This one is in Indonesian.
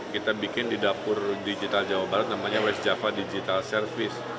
kita bikin di dapur digital jawa barat namanya west java digital service